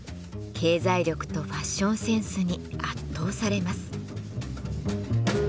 経済力とファッションセンスに圧倒されます。